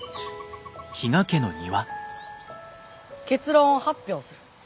結論を発表する。